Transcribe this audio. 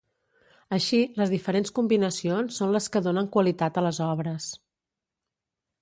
Així, les diferents combinacions són les que donen qualitat a les obres.